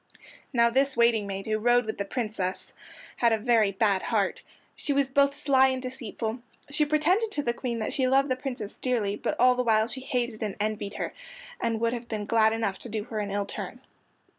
Now this waiting maid, who rode with the Princess, had a very bad heart. She was both sly and deceitful. She pretended to the Queen that she loved the Princess dearly, but all the while she hated and envied her, and would have been glad enough to do her an ill turn.